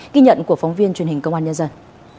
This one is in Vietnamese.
ghi nhận của phóng viên truyền hình công an nhân dân